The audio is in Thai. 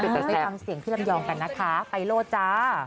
ไปทำเสียงพี่ลำยองกันนะคะไปโล่จ๊ะ